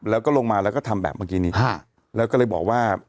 แล้วก็ลงมาแล้วก็ทำแบบเมื่อกี้นี้แล้วก็เลยบอกว่า